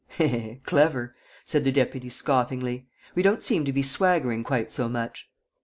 "Eh, clever!" said the deputy, scoffingly. "We don't seem to be swaggering quite so much."